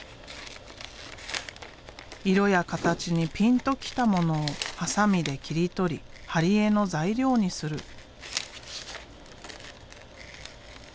色や形にピンときたものをハサミで切り取り貼り絵の材料にする。